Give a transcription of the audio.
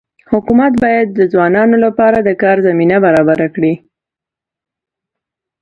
حکومت باید د ځوانانو لپاره د کار زمینه برابره کړي.